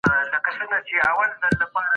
ذهن د څه وخت لپاره خاموش پرېږدئ.